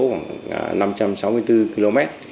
khoảng năm trăm sáu mươi bốn km